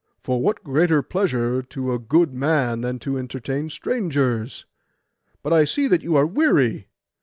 For what greater pleasure to a good man, than to entertain strangers? But I see that you are weary.